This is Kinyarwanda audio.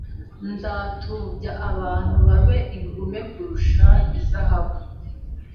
Nzatubya abantu babe ingume kurusha izahabu